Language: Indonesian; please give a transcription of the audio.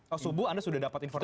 oh subuh anda sudah dapat informasi